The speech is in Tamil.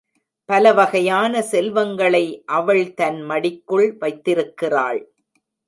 பலவகையான செல்வங்களை அவள் தன் மடிக்குள் வைத்திருக்கிறாள்.